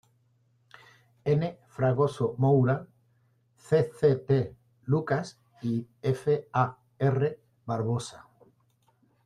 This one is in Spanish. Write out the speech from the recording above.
N. Fragoso-Moura, C. C. T. Lucas y F. A. R. Barbosa.